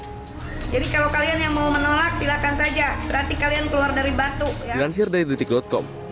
jadi kalau kalian yang mau menolak silahkan saja berarti kalian keluar dari batu ya